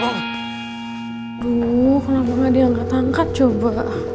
aduh kenapa gak diangkat angkat coba